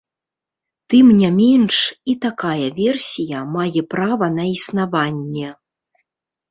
Тым не менш, і такая версія мае права на існаванне.